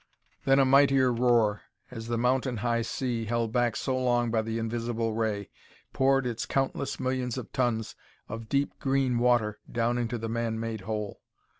Then a mightier roar, as the mountain high sea, held back so long by the invisible ray, poured its countless millions of tons of deep green water down into the man made hole.